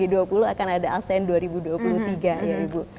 itu akan ada asean dua ribu dua puluh tiga ya bu